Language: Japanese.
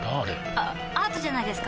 あアートじゃないですか？